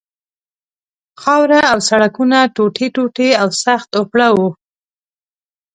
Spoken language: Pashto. خاوره او سړکونه ټوټې ټوټې او سخت اوپړه وو.